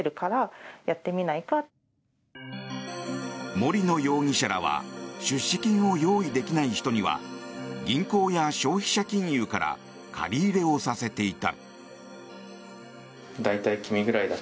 森野容疑者らは出資金を用意できない人には銀行や消費者金融から借り入れをさせていた。